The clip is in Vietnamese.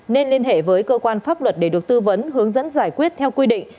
nên liên hệ với cơ quan pháp luật để được tư vấn hướng dẫn giải quyết theo quy định